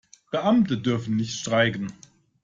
Beamte dürfen nicht streiken.